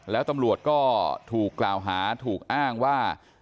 แล้วตำรวจก็ถูกกล่าวหาถูกอ้างว่า